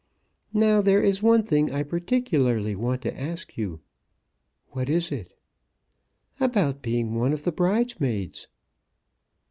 Now there is one thing I particularly want to ask you." "What is it?" "About being one of the bridesmaids."